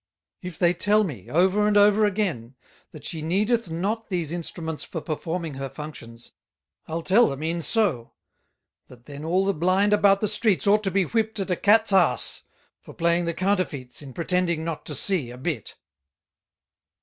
If they tell me, over and over again, that she needeth not these Instruments for performing her Functions, I'll tell them e'en so, That then all the Blind about the Streets ought to be Whipt at a Carts Arse, for playing the Counterfeits in pretending not to See a bit."